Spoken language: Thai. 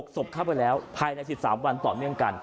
สบทรัพย์ไปแล้วภายในสิบสามวันตรอเนื่องกัน